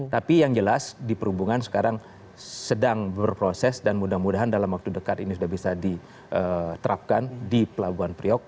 tapi yang jelas di perhubungan sekarang sedang berproses dan mudah mudahan dalam waktu dekat ini sudah bisa diterapkan di pelabuhan priok